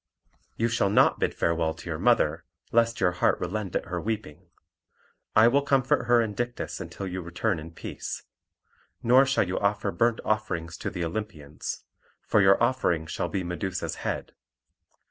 "You shall not bid farewell to your mother, lest your heart relent at her weeping. I will comfort her and Dictys until you return in peace. Nor shall you offer burnt offerings to the Olympians; for your offering shall be Medusa's head.